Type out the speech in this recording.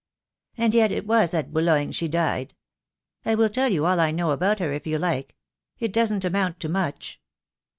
"And yet it was at Boulogne she died. I will tell you all I know about her, if you like. It doesn't amount to much."